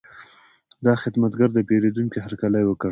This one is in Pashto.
دا خدمتګر د پیرودونکي هرکلی وکړ.